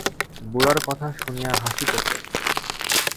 বুড়ার কথা শুনিয়া হাসিতেছ।